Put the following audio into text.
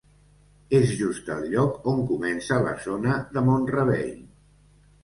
És just el lloc on comença la zona de Mont-rebei.